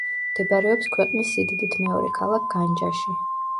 მდებარეობს ქვეყნის სიდიდით მეორე ქალაქ განჯაში.